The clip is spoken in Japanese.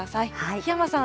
檜山さん